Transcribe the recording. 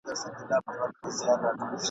کوي او سوکاله وي !.